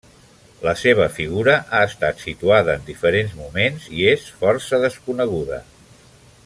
La seva figura ha estat situada en diferents moments i és força desconeguda.